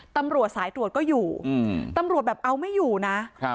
ตำรวจสายตรวจก็อยู่ตำรวจแบบเอาไม่อยู่นะ